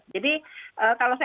jadi kalau saya